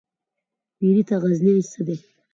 پيري ته غزنى څه دى ؟